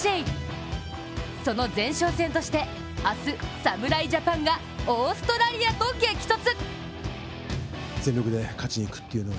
その前哨戦として明日、侍ジャパンがオーストラリアと激突。